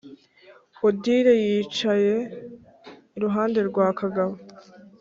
odile yicaye iruhande rwa kagabo,